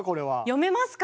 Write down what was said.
読めますか？